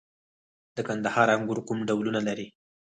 د کندهار انګور کوم ډولونه لري؟